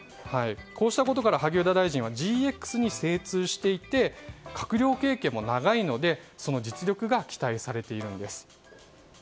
こうしたことから萩生田大臣はＧＸに精通していて閣僚経験も長いのでその実力が期待されているんです。